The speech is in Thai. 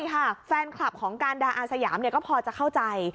ใช่ค่ะแฟนคลับของการดาอาสยามก็พอจะเข้าใจ